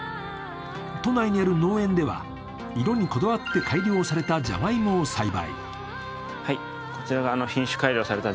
都内にある農園では色にこだわって改良されたジャガイモを栽培。